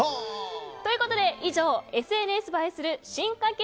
ということで以上ＳＮＳ映えする進化形